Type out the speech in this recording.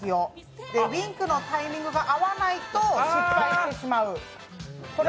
ウインクのタイミングが合わないと失敗してしまう。